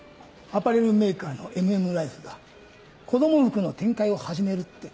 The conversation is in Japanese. アパレルメーカーの「ＭＭＬＩＦＥ」が子供服の展開を始めるって。